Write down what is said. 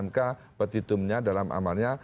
mk petitumnya dalam amalnya